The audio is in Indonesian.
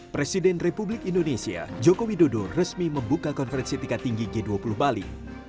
presiden republik indonesia joko widodo resmi membuka konferensi tingkat tinggi g dua puluh bali